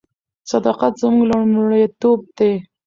صداقت زموږ لومړیتوب دی.